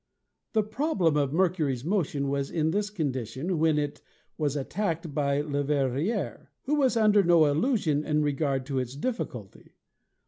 The problem of Mercury's motion was in this condition when it was attacked by Leverrier, who was under no illusion in regard to its difficulty.